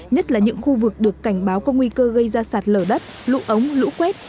nhất là những khu vực được cảnh báo có nguy cơ gây ra sạt lở đất lũ ống lũ quét